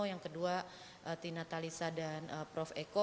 yang kedua tina talisa dan prof eko